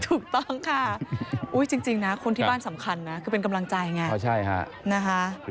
ถูกต้องค่ะจริงคนที่บ้านสำคัญเป็นกำลังใจอย่างนี้